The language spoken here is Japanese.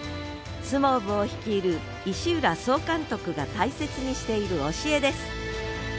相撲部を率いる石浦総監督が大切にしている教えです。